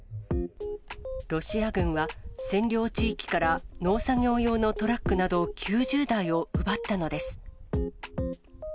ロシア軍は占領地域から農作業用のトラックなど９０台を奪ったのです。